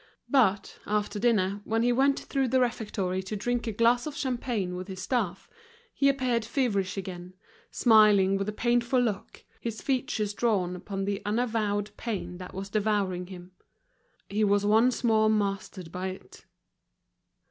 But, after dinner, when he went through the refectory to drink a glass of champagne with his staff, he appeared feverish again, smiling with a painful look, his features drawn up by the unavowed pain that was devouring him. He was once more mastered by it.